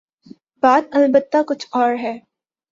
بات البتہ کچھ اور ہے۔